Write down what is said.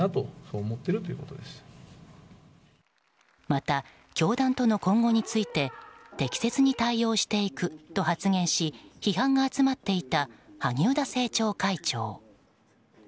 また、教団との今後について適切に対応していくと発言し批判が集まっていた萩生田政調会長。